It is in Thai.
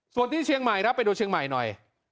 ส่วนที่เชียงใหม่ครับไปดูเชียงใหม่หน่อย